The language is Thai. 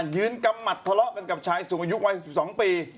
ยืนกำหมัดทะเลาะกันกับชายสูงอายุวัย๑๒ปี